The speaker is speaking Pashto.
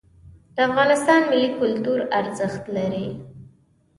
د افغانستان ملي کلتور ارزښت لري.